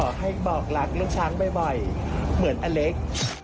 ให้บอกรักลูกช้างบ่อยเหมือนอเล็ก